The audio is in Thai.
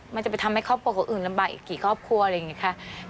มันจะไปทำให้ครอบครัวคนอื่นลำบากอีกกี่ครอบครัวอะไรอย่างนี้ค่ะ